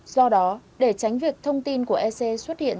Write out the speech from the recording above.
do đó để tránh việc thông tin của ec xuất hiện